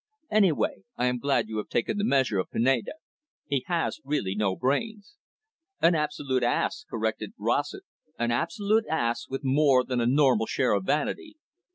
Anyway, I am glad you have taken the measure of Pineda. He has really no brains." "An absolute ass," corrected Rossett, "an absolute ass, with more than a normal share of vanity."